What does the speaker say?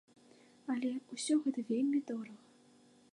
Але ўсё гэта вельмі дорага!